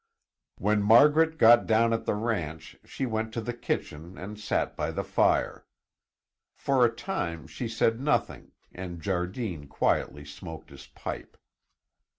When Margaret got down at the ranch she went to the kitchen and sat by the fire. For a time she said nothing and Jardine quietly smoked his pipe.